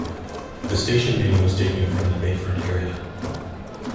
The station name was taken from the Bayfront area.